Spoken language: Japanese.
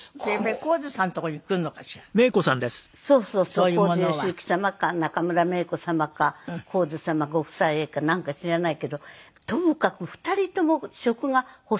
「神津善行様」か「中村メイコ様」か「神津様ご夫妻」かなんか知らないけどとにかく２人とも食が細いのね。